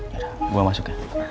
ya udah gue masuk ya